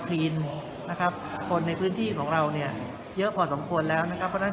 นะครับคนในพื้นที่ของเราเนี่ยเยอะพอสมควรแล้วนะครับเพราะฉะนั้น